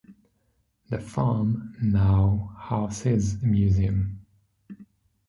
The farm now house a Museum.